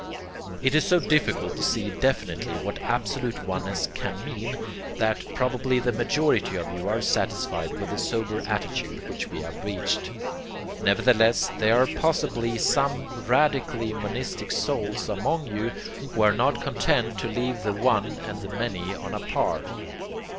It is so difficult to see definitely what absolute oneness can mean, that probably the majority of you are satisfied with the sober attitude which we have reached. Nevertheless there are possibly some radically monistic souls among you who are not content to leave the one and the many on a par.